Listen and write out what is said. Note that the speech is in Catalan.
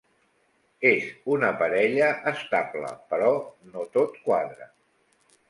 És una parella estable, però no tot quadra.